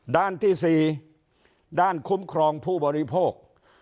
ด้านที่๔ด้านคุ้มครองผู้บริโภค